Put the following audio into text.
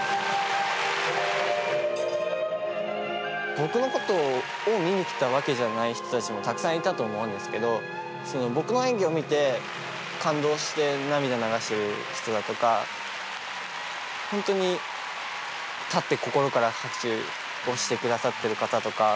僕の事を見に来たわけじゃない人たちもたくさんいたと思うんですけど僕の演技を見て感動して涙を流してる人だとか本当に立って心から拍手をしてくださってる方とか。